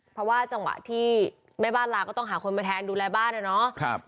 เพราะว่าจังหวะที่แม่บ้านลาก็ต้องหาคนมาแทนดูแลบ้านอะเนาะ